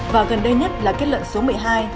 và gần đây nhất là kết luận số một mươi hai